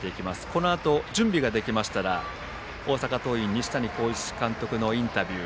このあと準備ができましたら大阪桐蔭、西谷浩一監督のインタビュー。